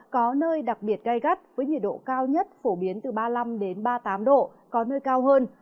có nơi đặc biệt gai gắt với nhiệt độ cao nhất phổ biến từ ba mươi năm ba mươi tám độ có nơi cao hơn